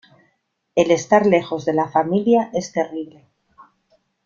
El estar lejos de la familia es terrible.